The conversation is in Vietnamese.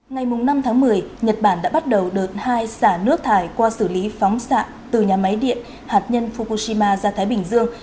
ngày năm tháng một mươi nhật bản đã bắt đầu đợt hai xả nước thải qua xử lý phóng xạ từ nhà máy điện hạt nhân fukushima ra thái bình dương